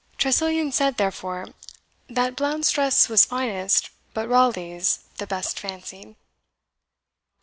Tressilian said, therefore, "That Blount's dress was finest, but Raleigh's the best fancied."